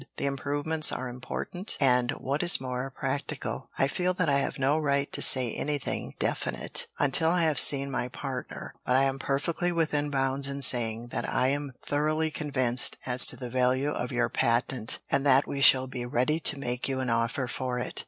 "The improvements are important, and, what is more, practical. I feel that I have no right to say anything definite until I have seen my partner, but I am perfectly within bounds in saying that I am thoroughly convinced as to the value of your patent, and that we shall be ready to make you an offer for it.